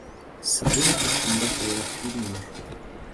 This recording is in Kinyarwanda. sabrina akunda kureba filime